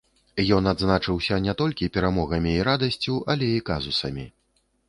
Ён адзначыўся не толькі перамогамі і радасцю, але і казусамі.